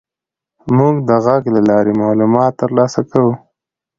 موږ د غږ له لارې معلومات تر لاسه کوو.